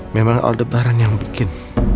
memang aldebaran yang bikin